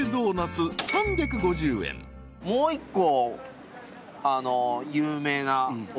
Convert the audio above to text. もう一個。